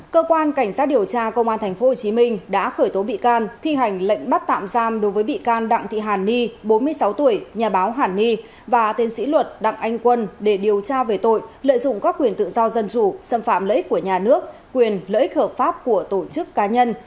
cơ quan cảnh sát điều tra công an tp hcm đã khởi tố bị can thi hành lệnh bắt tạm giam đối với bị can đặng thị hàn ni bốn mươi sáu tuổi nhà báo hàn ni và tiến sĩ luật đặng anh quân để điều tra về tội lợi dụng các quyền tự do dân chủ xâm phạm lợi ích của nhà nước quyền lợi ích hợp pháp của tổ chức cá nhân